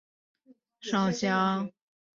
郑橞祖籍清华处永福县槊山社忭上乡。